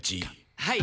はい。